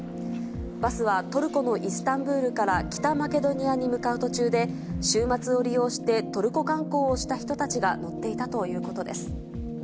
バスはトルコのイスタンブールから北マケドニアに向かう途中で、週末を利用してトルコ観光をした人たちが乗っていたということです。